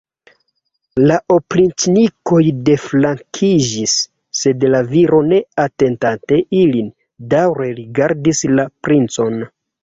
La opriĉnikoj deflankiĝis, sed la viro, ne atentante ilin, daŭre rigardis la princon.